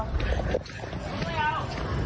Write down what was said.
ไม่เอา